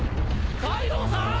カイドウさん！？